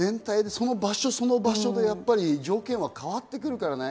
その場所その場所で条件は変わってくるからね。